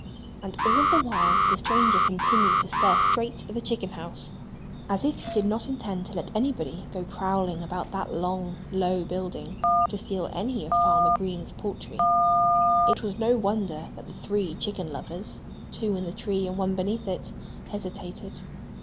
And all the while the stranger continued to stare straight at the chicken house, as if he did not intend to let anybody go prowling about that long, low building to steal any of Farmer Green's poultry. It was no wonder that the three chicken lovers (two in the tree and one beneath it) hesitated.